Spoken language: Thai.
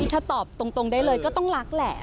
ถ้าตอบตรงได้เลยก็ต้องรักแหละ